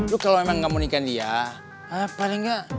lo kalau emang gak mau nikahin dia apa deh gak